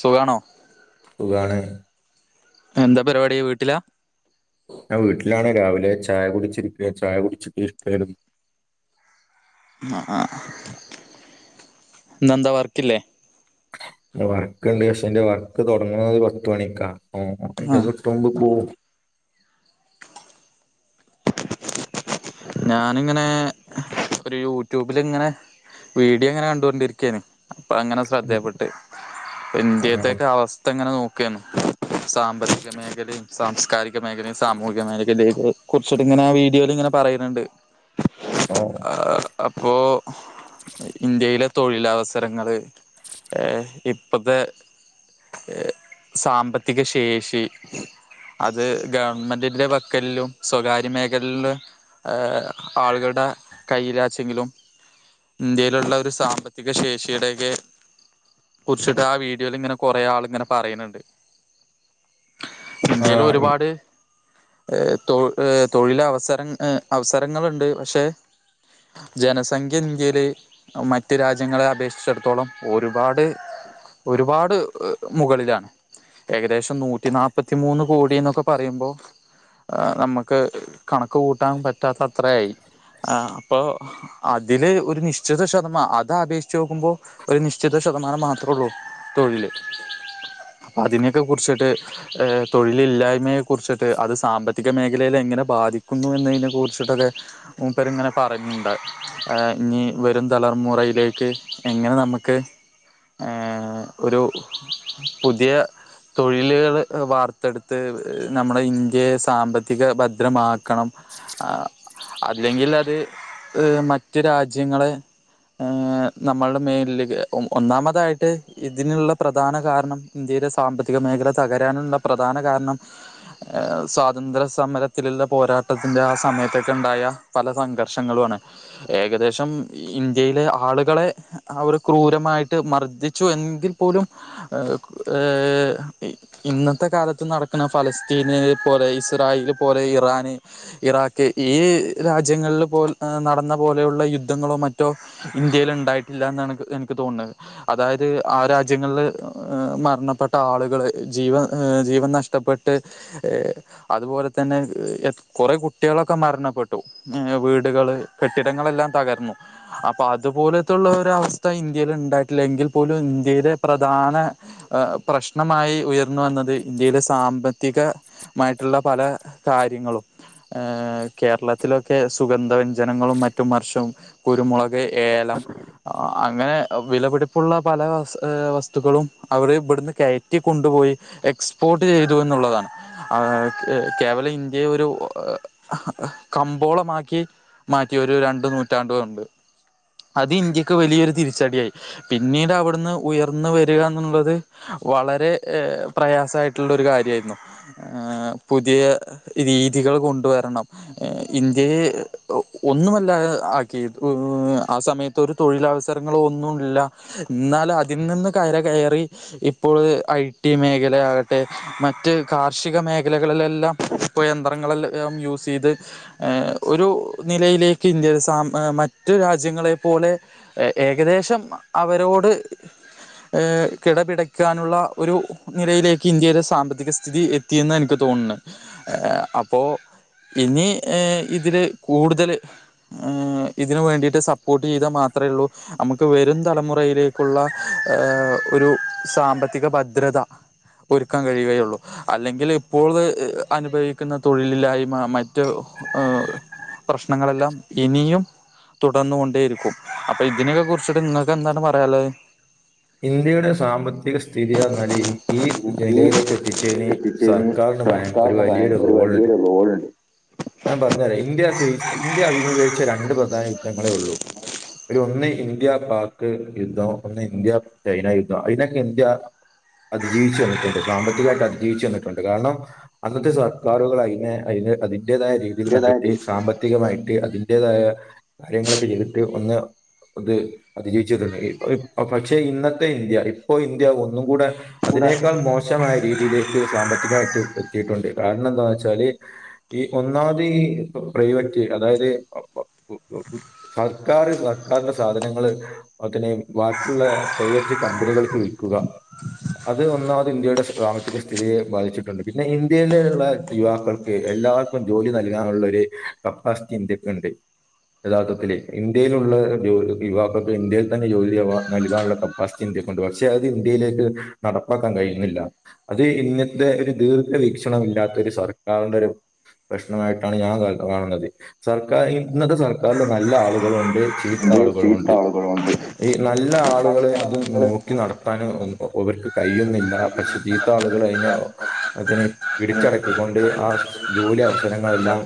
സുഖാണോ സുഖാണ് എന്താ പരിപാടിവീട്ടിലാ ഞാൻ വീട്ടിലാണ് രാവിലെ ചായ കുടിച്ചിരിക്ക ചായ കുടിച്ചിട്ട് ഇരിക്കാണ് ആ ആ ഇന്നെന്താ വർക്കില്ലേ വർക്ക്ണ്ട് പക്ഷെ എന്റെ വർക്ക് തൊടങ്ങ്ണത് ഒരു പത്ത് മണിക്കാ ആ ആ ഒക്കെ ആഹ് [unintelligible] കിട്ടാണങ്കില് പോവും ഞാനിങ്ങനെ ഒരു യൂട്യൂബിൽ ഇങ്ങനെ വീഡിയോ ഇങ്ങനെ കണ്ടു കൊണ്ടിരിക്കാരുന്നു അപ്പൊ അങ്ങനെ ശ്രദ്ധേപ്പെട്ട് ആ ഇന്ത്യത്തൊക്കെ അവസ്ഥ എങ്ങനെ നോക്കുകയാണ് സാമ്പത്തിക മേഖലയും സാംസ്കാരിക മേഖലയും സാമൂഹിക മേഖലയും കുറച്ചിട്ട് ഇങ്ങനെ ആഹ് വീഡിയോലിങ്ങനെ പറയുന്നുണ്ട് ഓഹ് ആഹ് അപ്പോ ഇന്ത്യയിലെ തൊഴിലവസരങ്ങള് ഏഹ് ഇപ്പത്തെ സാമ്പത്തിക ശേഷി അത് ഗവൺമെന്റിന്റെ വക്കലിലും സ്വകാര്യ മേഖലിലും സൊ ഏഹ് ആളുകളുടെ കയ്യിലാച്ചെങ്കിലും ഇന്ത്യയിലുള്ള ഒരു സാമ്പത്തിക ശേഷിയിടെക്കെ കുറിച്ചിട്ട് ആ വീഡിയോലിങ്ങനെ കുറെ ആളിങ്ങനെ പറയുന്നുണ്ട് ആ ഇന്ത്യയില് ഇ- ഒരുപാട് ഏഹ് തൊ ഏഹ് തൊഴിലവസരം ഏഹ് അവസരങ്ങള്ണ്ട് പക്ഷേ ജനസംഖ്യ ന്ത്യേല് മറ്റ് രാജ്യങ്ങളെ അപേക്ഷ്ച്ചടത്തോളം ഒരുപാട് ഒരുപാട് മുകളിലാണ് ഏകദേശ് നൂറ്റി നാപ്പത്തി മൂന്ന് കോടിന്നൊക്കെ പറയ്മ്പോ ആഹ് നമ്മക്ക് കണക്ക്‌ കൂ ട്ടാം പറ്റാത്ത അത്രായ് ഏഹ് അപ്പോ അതില് ഒരു നിശ്ചിത ശതമാ അത അപേക്ഷിച്ചാേക്കുമ്പോ ഒരു നിശ്ചിത ശതമാനം മാത്രാെള്ളൂ തൊഴില് അപ്പ അതിനെയെക്കെ കുർച്ചിട്ട് എഹ് തൊഴിലില്ലായ്മയെ കുർച്ച്ട്ട് അത് സാമ്പത്തി ക മേഖലയിലെങ്ങനെ ബാധിക്കും എന്നെയ്നെ കുർച്ച്ട്ടൊക്കെ മൂപ്പര്ങ്ങനെ പറഞ്ഞ്ണ്ടായി ഏഹ് ഇനി വരും തലമുറയിലേക്ക് എങ്ങനെ നമ്ക്ക് ഏഹ് ഒരു പുതിയ തൊഴില്കൾ വാർത്തെട്ത്ത് നമ്മടെ ഇന്ത്യയെ സാമ്പത്തിക ഭദ്രമാക്കണം ആഹ് അല്ലെങ്കിൽ അത് ഏഹ് മറ്റ് രാജ്യങ്ങളെ ഏഹ് നമ്മൾടെ മേൽലെക്ക് ഒ ഒന്നാമതായിട്ട് ഇതിന്ള്ള പ്രധാന കാര്ണം ഇന്ത്യയിലെ സാമ്പത്തിക മേഖല തകരാന്ള്ള പ്രധാന കാര്ണം ഏഹ് സ്വാതന്ത്ര സമരത്തില്ള്ള പോരാ ട്ടത്തിന്റെ ആ സമയത്തെക്കെണ്ടായ പല സംഘർഷങ്ങളു ആണ് ഏകദേശം ഇന്ത്യയിലെ ആള്കളെ അവര് ക്രൂരമായിട്ട് മർ ദ്ദിച്ചു എങ്കിൽ പോലും എ ഏഹ് ഇന്നത്തെ കാലത്ത് നടക്ക്ണ ഫലസ്തീന് പോലെ ഇസ്രായീല് പോലെ ഇറാന് ഇറാക് ഈ രാജ്യങ്ങൾൽ പോൽ നടന്ന പോലെയുള്ള യുദ്ധങ്ങളോ മറ്റോ ഇന്ത്യയില്ണ്ടായ്ട്ടില്ലാന്നാണ് ൻക്ക് ഇൻക്ക് തോന്ന്ണത് അതായത് ആ രാജ്യങ്ങൾല് ഏ മര്ണപ്പെട്ട ആള്കള് ജീവ ഏഹ് ജീവൻ നഷ്ടപ്പെട്ട് ഏ അത്പോലെ തന്നെ എ കൊറേ കുട്ട്യേളൊക്കെ മരണപ്പെട്ടു ഏഹ് വീട്കൾ കെട്ടിടങ്ങളെല്ലാം തകർന്നു അപ്പൊ അത്പോലെത്തുള്ളാെരവസ്ഥ ഇന്ത്യേല്ണ്ടായ്ട്ട്ല്ലെങ്കിൽ പോലും ഇന്ത്യയിലെ പ്രധാനെ എഹ് പ്രശ്നമായി ഉയർന്ന് വന്നത് ഇന്ത്യയിലെ സാമ്പത്തിക മായ്ട്ട്ള്ളെ പലെ കാര്യങ്ങളും എഹ് കേര്ളത്തിലൊക്കെ സുഗന്ധ വ്യഞ്ജനങ്ങളും മറ്റും മർഷവും കുരുമുളക് ഏലം അങ്ങനെ വിലപിടിപ്പുള്ള പല വസ് ഏഹ് വസ്തുക്കളും അവര് ബ്ട്ന്ന് കെയറ്റിക്കൊണ്ടുപോയി എക്സ്പോർട്ട് ചെയ്തുന്നുള്ളതാണ് ആ കെ കേവലം ഇന്ത്യയെ ഒരു കമ്പോളമാക്കി മാറ്റി ഒരു രണ്ട് നൂറ്റാണ്ട് കൊണ്ട് അത് ഇന്ത്യക്ക് വലിയൊരു തിരി ച്ചട്യായ് പിന്നീട് അവ്ട്ന്ന് ഉയർന്ന് വര്കാന്ന്ള്ളത് വളരെ എ പ്രയാസായ്ട്ട്ള്ള ഒര് കാര്യായ്ര്ന്നു ഏഹ് പുതിയ രീ തികൾ കൊണ്ടുവരണം ഇന്ത്യയെ ഒന്നുമല്ല ആക്കിത് ആ സമയത്ത് ഒരു തൊഴിലവസങ്ങൾ ഒന്നു ഇല്ല ഇന്നാലാ അതിൽ നിന്ന് കര കെയറി ഇപ്പോൾ ഐ ടി മേഖലയാവട്ടെ മറ്റ് കാർഷിക മേഖലകളിലെല്ലാം ഇപ്പോ എന്ത പത്രങ്ങളെല്ലാം യൂസ് ചെയ്ത് ഒരു നിലയിലേക്ക് ഇന്ത്യയുടെ മറ്റ് രാജ്യങ്ങളേപ്പോലെ ഏകദേശം അവരോട് കിടപിടക്ക്യാനുള്ള ഒരു നിലയിലേക്ക് ഇന്ത്യയുടെ സാമ്പത്തിക സ്ഥിതി എത്തിയെന്ന് എനിക്ക് തോന്ന്ണെ അപ്പോ. ൾ ഇനി ഇതിൽ കൂടുതൽ ഇതിനു വേണ്ടിയിട്ട് സപ്പോർട്ട് ചെയ്താൽ മാത്രമേ ഉള്ളൂ നമുക്ക് വരും തലമുറയിലേക്കുള്ള ഒരു സാമ്പത്തിക ഭദ്രത ഒരുക്കാൻ കഴിയുകയുള്ളൂ അല്ലെങ്കിൽ ഇപ്പോൾ അനുഭവ- പിന്നെ തൊഴിലിലായിമ മറ്റ് പ്രശ്നങ്ങളെല്ലാം ഇനിയും തുടർന്നു കൊണ്ടേ ഇരിക്കും അപ്പൊ ഇതിനൊക്കെ കുറിച്ചിട്ട് നിങ്ങൾക്ക് എന്താണ് പറയാള്ളെത് ഇന്ത്യയുടെ സാമ്പത്തിക സ്ഥിതിയാ ആറ്ന്നാല് ഈ ഈ നെലയിലേക്ക് എത്തിച്ചെയ്ന് എത്തിച്ചതിന് സർക്കാറിന് ഭയ ഒരു സർക്കാരിന് പറയാൻ വലിയൊരു ഒരു റോള്ണ്ട് വലിയൊരു റോളുണ്ട് ഞാൻ പറഞ്ഞരാ ഇന്ത്യ [unintelligible] ഇന്ത്യ അഭിമു രണ്ട് പ്രധാന യുദ്ധങ്ങളേ ഒള്ളൂ അയ്ല് ഒന്ന് ഇന്ത്യ പാക് യുദ്ധം ഒന്ന് ഇന്ത്യ ചൈന യുദ്ധം അയ്നൊക്കെ ഇന്ത്യ അതിജീവിച്ച് വന്നിട്ടുണ്ട് സാമ്പത്തികയിട്ട് അതിജീവിച്ചു വന്നിട്ടുണ്ട് കാരണം അന്നത്തെ സർക്കാറുകൾ അയ്നെ അയ്ന് അതിന്റെതായ രീതിയിൽ ഏതായത് കണ്ടിട്ടെ സാമ്പത്തികമായിട്ട് അതി അതിന്റെതായ കാര്യങ്ങളൊക്കെ ചെയ്തിട്ട് ഒന്ന് അത് അതിജീവിച്ച് വന്നിട്ട് പക്ഷെ ഇന്നത്തെ ഇന്ത്യ ഇപ്പോ ഇന്ത്യ ഒന്നും കൂടെ കൂടെ അതിനേക്കാൾ മോശമായ രീതിയിലേക്ക് സാമ്പത്തികയിട്ട് എത്തിട്ടുണ്ട് കാരണം എന്താന്ന് വെച്ചാല് ഈ ഒന്നാമത് ഈ പ്രൈവറ്റ് അതായത് [inaudible] സർക്കാർ സർക്കാരിന്റെ സാധനങ്ങള് അതിനെ ബാക്കിയുള്ള [unintelligible] കമ്പനികൾക്ക് വിൽക്കുക അത് ഒന്നാമത് ഇന്ത്യയുടെ സാമ്പത്തിക സ്ഥിതിയെ ബാധിച്ചിട്ടുണ്ട് പിന്നെ ഇന്ത്യയിലുള്ള യുവാക്കൾക്ക് എല്ലാർക്കും ജോലി നൽകാനുള്ള ഒരു കപ്പാസിറ്റി ഇന്ത്യക്ണ്ട് യഥാർത്ഥത്തില് ഇന്ത്യയിലുള്ള യുവാക്കൾക്ക് ഇന്ത്യയിൽ തന്നെ ജോലി നൽകാനുള്ള കപ്പാസിറ്റി ഇന്ത്യക്കുണ്ട് പക്ഷെ അത് ഇന്ത്യയിലേക്ക് നടപ്പാക്കാൻ കഴിയുന്നില്ല അത് ഇന്നത്തെ ഒരു ദീർഘവീക്ഷണ ഇല്ലാത്ത ഒരു സർക്കാരിന്റെ ഒരു പ്രശ്നമായിട്ടാണ് ഞാൻ കാണ്ന്നത് സർക്കാർ ഇന്നത്തെ സർക്കാരിന് നല്ല ആളുകളും ഉണ്ട് ചീത്ത ഉണ്ട് ചീത്ത ആളുകളുണ്ട് ആളുകളുണ്ട് ഈ നല്ല ആളുകളെ നല്ല അത് ആളുകള് നോക്കി ഇത് നടത്താൻ ഇവർക്ക് കഴിയുന്നില്ല കയ്യിൽ പക്ഷെ ചീത്ത ആളുകൾ അയ്നെ തനെ പിടിച്ചടക്കിക്കൊണ്ട് ആ ജോലി നിൽക്കണം അവസരങ്ങളെല്ലാം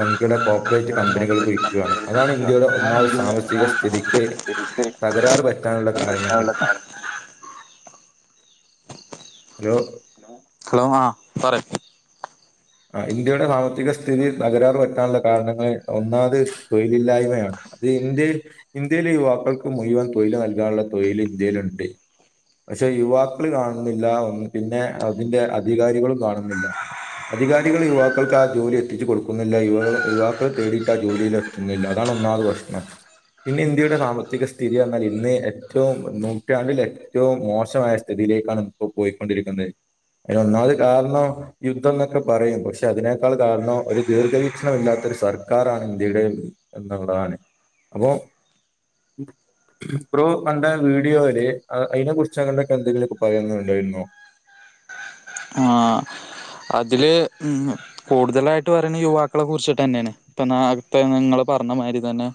വൻകിട കോപ്പറേറ്റ് നമ്മുടെ കമ്പനികൾക്ക് കോർപ്പറേറ്റ് വിൽക്കുയാണ് കമ്പനികളിൽ അതാണ് നിൽക്കുകയാണ് ഇന്ത്യയുടെ അതാണ് ഒന്നാമത് ഇന്ത്യയുടെ സാമ്പത്തിക സ്ഥിതിക്ക് ഒന്നാമത്തെ തകരാർ പറ്റ നുള്ള കാരണങ്ങൾ പ്രശ്നമുള്ള കാരണം ഹലോ ഹലോ ആ പറയ് ആ ഇന്ത്യയുടെ സാമ്പത്തിക സ്ഥിതി തകരാറ് പറ്റാനുള്ള കാരണങ്ങള് ഒന്നാമത് തൊഴിലില്ലായ്മയാണ് അത് ഇന്ത്യ ഇന്ത്യയിലെ യുവാക്കൾക്ക് മുഴുവൻ തൊഴിൽ നൽ ക്കാനുള്ള തൊഴിൽ ഇന്ത്യയിലുണ്ട് പക്ഷെ യുവാക്കൾ കാണുന്നില്ല പിന്നെ അതിന്റെ അധികാരികളും കാണുന്നില്ല അധികാരികൾ യുവാക്കൾക്ക് ആ ജോലി എത്തിച്ചു കൊടുക്കുന്നില്ല യുവാക്കൾ തേടിയിട്ട് ആ ജോലിയിൽ എത്തുന്നില്ല അതാണ് ഒന്നാമത് പ്രശ്നം പിന്നെ ഇന്ത്യയുടെ സാമ്പത്തിക സ്ഥിതി എന്നാൽ ഇന്ന് ഏറ്റവും നൂറ്റാണ്ടില് ഏറ്റവും മോശമായ സ്ഥിതിയിലേക്കാണ് ഇപ്പൊ പോയിക്കൊണ്ടിരിക്കുന്നെ അതിന് ഒന്നാമത് കാരണം യുദ്ധം എന്നൊക്കെ പറയും പക്ഷെ അതിനേക്കാൾ കാരണം ഒരു ദീർഘവീക്ഷണം ഇല്ലാത്ത ഒരു സർക്കാറാണ് ഇന്ത്യയുടെ എന്നുള്ളതാണ് അപ്പോ ബ്രോ കണ്ട വീഡിയോയില് അയ്നെ കുറിച്ച് അങ്ങനെക്കെ എന്തെങ്കിലുക്കെ പറയുന്നുണ്ടായിരുന്നോ ഇതില് കൂടുതലായിട്ട് പറയുന്ന യുവാക്കളെ കുറിച്ചിട്ട്ന്നെണ് ഇപ്പ ഇപ്പ നിങ്ങള് പറഞ്ഞ മാതിരി തന്നെ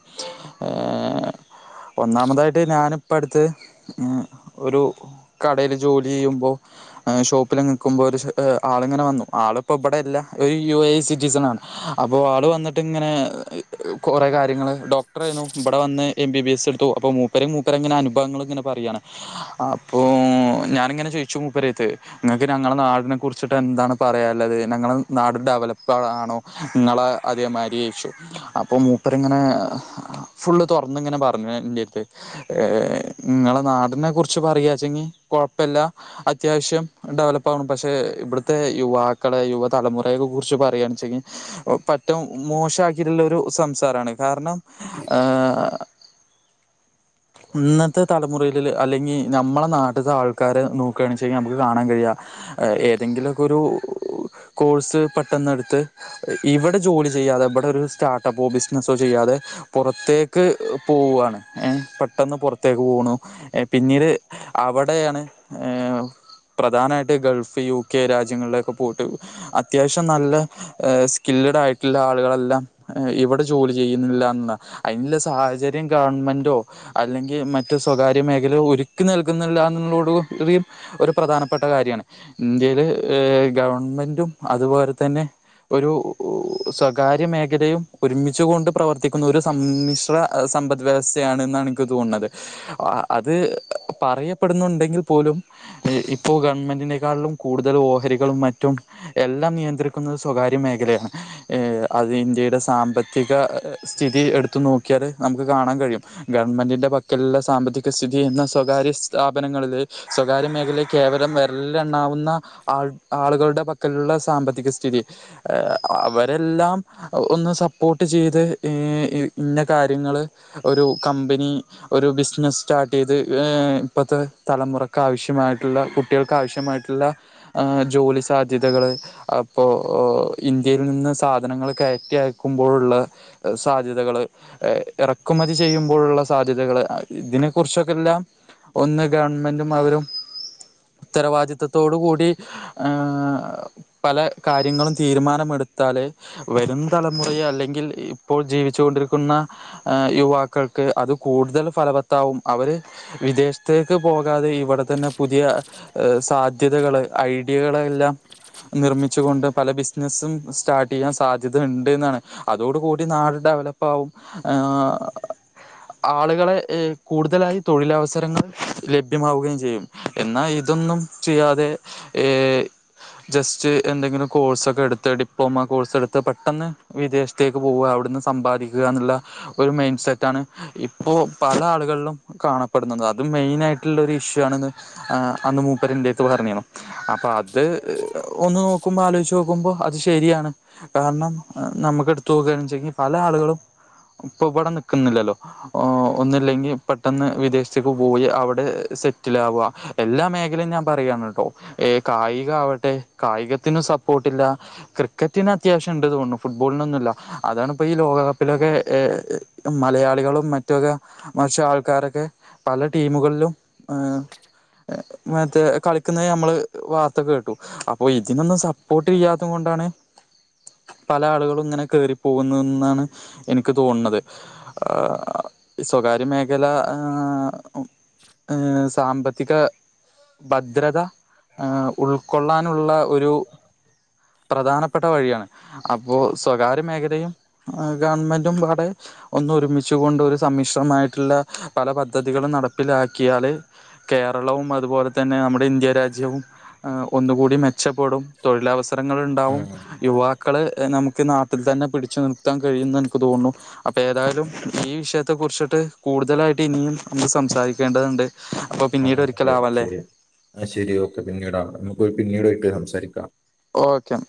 ഒന്നാമതായിട്ട് ഞാനിപ്പ അടുത്ത് ഒരു കടേൽ ജോലി ചെയ്യുമ്പോൾ ഷോപ്പില് നിൽക്കുമ്പോൾ ഒരു ആള് ങ്ങെ വന്നു ആളിപ്പോ ഇവിടെയല്ല യു എ സിറ്റിസൺ ആണ് അപ്പോ ആള് വന്നിട്ട് ഇങ്ങനെ കൊറെ കാര്യങ്ങള് ഡോക്ടർയിരുന്നു ഇവിടെ വന്ന് എം ബി ബി എസ് എടുത്തു അപ്പോ മൂപ്പര് മൂപ്പരെ ഇങ്ങനെ അനുഭവങ്ങള് ഇങ്ങനെ പറയാണ് അപ്പോൾ ഞാൻ ഇങ്ങനെ ചോയിച്ചു മൂപ്പരട്ത്ത് നിങ്ങക്ക് ഞങ്ങളുടെ നാടിനെ കുറിച്ച് എന്താണ് പറയാനുള്ളത് ഞങ്ങളുടെ നാട് ഡെവലപ്പ് ആണോ നിങ്ങളെ അതേമാതിരി ഇഷു അപ്പോ മൂപ്പര് ഇങ്ങനെ ഫുള്ള് തുറന്ന് ഇങ്ങനെ പറഞ്ഞു ഇന്ത്യത്ത് നിങ്ങളെ നാടിനെ കുറിച്ച് പറയച്ചെങ്കി കുഴപ്പല്ല അത്യാവശ്യം ഡെവലപ്പ് ആണ് പക്ഷേ ഇവിട് ത്തെ യുവാക്കളെ യുവതലമുറയെക്കെ കുറിച്ച് പറയുകയാണേച്ചെങ്കി പറ്റും മോശക്കിട്ടുള്ള ഒരു സംസാരമാണ് കാരണം ഹേ ഇന്നത്തെ തലമുറയില് അല്ലെങ്കി നമ്മളെ നാട്ടിലത്തെ ആൾക്കാരെ നോക്കണേച്ചാ നമക്ക് കാണാൻ കഴിയാ ഏതെങ്കിലും ഒരു കോഴ്സ് പെട്ടെന്ന് എടുത്ത് ഇവിടെ ജോലി ചെയ്യാതെ ഇവിടെ ഒരു സ്റ്റാർട്ടപ്പോ ബിസിനസോ ചെയ്യാതെ പുറത്തേക്ക് പോവാ ഏ പെട്ടെന്ന് പുറത്തേക്ക് പോണം പിന്നീട് അവിടെയാണ് പ്രധാനമായിട്ട് ഗൾഫ് യു കെ രാജ്യങ്ങളിലൊക്കെ പോട്ട് അത്യാവശ്യം നല്ല സ്കില്ലഡ് ആയിട്ടുള്ള ആളുകളെല്ലാം ഇവിടെ ജോലി ചെയ്യുന്നില്ല ന്നാ അയ്നുള്ള സാഹചര്യം ഗവൺമെന്റോ അല്ലെങ്കി മറ്റ് സ്വകാര്യ മേഖലയോ ഒരുക്കി നൽകുന്നില്ല എന്നുള്ളോടു ടിയും ഒരു പ്രധാനപ്പെട്ട കാര്യാണ് ഇന്ത്യയിൽ ഗവൺമെന്റും അതുപോലെ തന്നെ ഒരു സ്വകാര്യ മേഖലയും ഒരുമിച്ചുകൊണ്ട് പ്രവർത്തിക്കുന്ന ഒരു സമ്മിശ്ര സമ്പദ് വ്യവസ്ഥയാണ് ന്നാണ് എനിക്ക് തോന്നുണത് അത് പറയപ്പെടുന്നുണ്ടെങ്കിൽ പോലും ഇപ്പോ ഗവൺമെന്റിനേക്കാളിലും കൂടുതൽ ഓഹരികളും മറ്റും എല്ലാം നിയന്ത്രിക്കുന്നത് സ്വകാര്യ മേഖലയാണ് ഏ അത് ഇന്ത്യയുടെ സാമ്പത്തിക സ്ഥിതി എടുത്തു നോക്കിയാൽ നമുക്ക് കാണാൻ കഴിയും ഗവൺമെന്റിന്റെ പക്കലുള്ള സാമ്പത്തിക സ്ഥിതി എന്ന സ്വകാര്യ സ്ഥാപനങ്ങളില് സ്വകാര്യ മേഖലയെ കേ വെരലിലെണ്ണാവു ആൾ ആളുകളുടെ പക്കലുള്ള സാമ്പത്തിക സ്ഥിതി അവരെല്ലാം ഒന്ന് സപ്പോർട്ട് ചെയ്ത് ഹേ ഇന്ന കാര്യങ്ങള് ഒരു കമ്പനി ഒരു ബിസിനസ് സ്റ്റാർട്ട് ചെയ്ത് ഇപ്പത്തെ തലമുറക്ക് ആവശ്യമായിട്ടുള്ള കുട്ടികൾക്ക് ആവശ്യമാ ജോലി സാധ്യതകള് അപ്പോ ഇന്ത്യയിൽ നിന്ന് സാധനങ്ങൾ കയറ്റിയക്കുമ്പോഴുള്ള സാധ്യതകള് ഇറക്കുമതി ചെയ്യുമ്പോഴുള്ള സാധ്യതകള് ഇതിനെ കുറിച്ചൊക്കെ എല്ലാം ഒന്ന് ഗവൺമെന്റും അവരും ഉത്തരവാദിത്ത ത്തോടുകൂടി പല കാര്യങ്ങളും തീരുമാനമെടുത്താല് വരും തലമുറെയെ അല്ലെങ്കിൽ ഇപ്പോൾ ജീവിച്ചു കൊണ്ടിരിക്കുന്ന യുവാക്കൾക്ക് അത് കൂടുതൽ ഫലവത്താവും അവര് വിദേശത്തേക്ക് പോക തെ ഇവിടെ തന്നെ പുതിയ സാ സധ്യതകള് ഐഡിയകളെല്ലാം നിർമ്മിച്ചു കൊണ്ട് പല ബിസിനസും സ്റ്റാർട്ട് ചെയ്യാൻ സാധ്യത ഇണ്ട്ന്നാണ് അതോടുകൂടി നാട് ഡെവലപ്പ ആവും ആളുകളെ കൂടുതലായി തൊഴിലവസരങ്ങൾ ലഭ്യമാവുകയും ചെയ്യും എന്നാൽ ഇതൊന്നും ചെയ്യാതെ ജസ്റ്റ് എന്തെങ്കിലും കോഴ്സൊക്കെ എടുത്ത് ഡിപ്ലോമ കോഴ്സ് എടുത്ത് പെട്ടെന്ന് വിദേശത്തേക്ക് പോവാ അവിട്ന്ന് സമ്പാദിക്കുക എന്നുള്ള ഒരു മൈൻഡ് സെറ്റാണ് ഇപ്പോൾ പല ആളുകളിലും കാണപ്പെടുന്നത് അതും മെയിൻ ആയിട്ടുള്ള ഒരു ഇഷ്യൂ ആണ് അന്ന് മൂപ്പര് എന്റെ [unintelligible] അപ്പൊ അത് ഒന്ന് നോ നോക്കുമ്പോൾ ആലോചിച്ച് നോക്കുമ്പോൾ അത് ശരിയാണ് കാരണം നമുക്ക് എടുത്ത നോക്കുകണ വെച്ചെങ്കിൽ പല ആളുകളും ഇപ്പൾ ഇവിടെ നിൽക്കുന്നില്ലല്ലോ ഒന്നില്ലെങ്കിൽ പെട്ടെന്ന് വിദേശത്തേക്ക് പോയി അവിടെ സെറ്റ് സെറ്റിലാവുക എല്ലാ മേഖലയും ഞാൻ പറയ കേട്ടോ ഏ കായിക ആവട്ടെ കായികത്തിനും സപ്പോർട്ടില്ല ക്രിക്കറ്റിനന് അത്യാവശ്യം ഉണ്ട് തോന്നു ഫുട്ബോളിനൊന്നുമല്ല അതാണപ്പോ ഈ ലോകകപ്പിലൊക്കെ മലയാളികളും മറ്റൊക്കെ മറച്ച് ആൾക്കാരൊക്കെ പല ടീമുകളിലും മറ്റോ കളിക്കുന്നത് നമ്മള് വാർത്ത കേട്ടു അപ്പോ ഇതിനൊന്നും സപ്പോർട്ട് ചെയ്യാത്ത കൊണ്ടാണ് പല ആളുകളും ഇങ്ങനെ കേറിപ്പോകുന്ന എന്നാണ് എനിക്ക് തോന്നുന്നത് സ്വകാര്യ മേഖല ഏ സാമ്പത്തിക ഭദ്രത ഉൾക്കൊള്ളാനുള്ള ഒരു പ്രധാനപ്പെട്ട വഴിയാണ് അപ്പോൾ സ്വകാര്യ മേഖലയും ഗവൺമെന്റുംഒന്ന്ഒരുമിച്ചുക കൊണ്ട് ഒരു സമ്മിശ്രമായിട്ടുള്ള പല പദ്ധതികളും നടപ്പിലാക്കിയാല് കേരളവും അതുപോലെ തന്നെ നമ്മുടെ ഇന്ത്യ രാജ്യവും ഒന്നുകൂടി മെച്ചപ്പെടും തൊഴിലാവസ്ഥ ചിത്രങ്ങൾ ഉണ്ടാവും യുവാക്കൾ നമുക്ക് എനിക്ക് നാട്ടിൽ തന്നെ പിടിച്ചു നിർത്താൻ കഴിയുംന്ന് എനിക്ക് തോന്നുന്നു അപ്പോൾ ഏതായാലും ഈ വിഷയത്തെ കുറിച്ചിട്ട് കൂടുതലായിട്ട് ഇനിയും നമുക്ക് സംസാരിക്കേണ്ടതുണ്ട് അപ്പൊ പിന്നീട് ഒരിക്കലും ആവാല്ലേ ആശരി ഓക്കെ പിന്നീട് അവാംപിന്നീട് ഒക്കെ സംസാരിക്കാം ഓക്കെ എന്ന